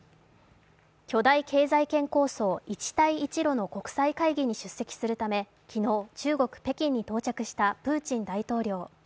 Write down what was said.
巨大経済圏構想、一帯一路の国際会議に出席するため昨日、中国・北京に到着したプーチン大統領。